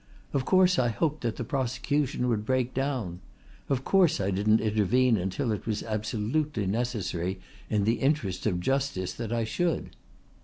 Of course I hoped that the prosecution would break down. Of course I didn't intervene until it was absolutely necessary in the interests of justice that I should."